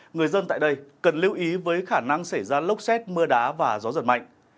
người dân tại đây cần lưu ý với khả năng xảy ra lốc xét mưa đá và gió giật mạnh